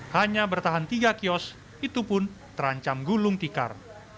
hanya bertahan tiga kios itu pun terancam gulung tikar